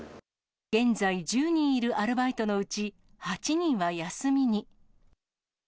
現在１０人いるアルバイトのうち、８人は休みに。